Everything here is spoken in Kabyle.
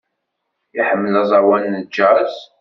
Iḥemmel aẓawan n jazz.